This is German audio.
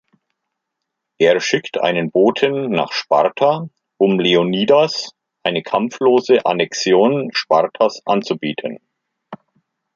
Er schickt einen Boten nach Sparta, um Leonidas eine kampflose Annexion Spartas anzubieten.